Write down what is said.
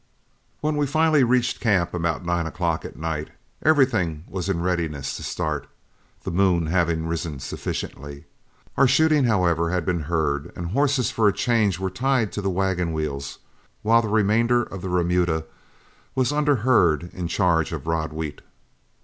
When we finally reached camp, about nine o'clock at night, everything was in readiness to start, the moon having risen sufficiently. Our shooting, however, had been heard, and horses for a change were tied to the wagon wheels, while the remainder of the remuda was under herd in charge of Rod Wheat.